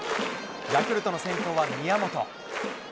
ヤクルトの先頭は宮本。